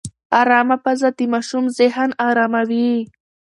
ارامه فضا د ماشوم ذهن اراموي.